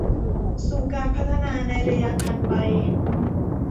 สู่การพัฒนาในระยะถัดไป